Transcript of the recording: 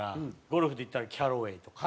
ゴルフで言ったらキャロウェイとか。